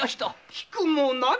聞くも涙。